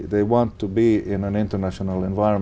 hà nội có nhiều việc